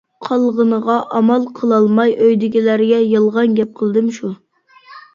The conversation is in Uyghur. قالغىنىغا ئامال قىلالماي ئۆيدىكىلەرگە يالغان گەپ قىلدىم شۇ.